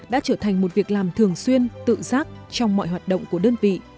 đã trở thành một việc làm thường xuyên tự giác trong mọi hoạt động của đơn vị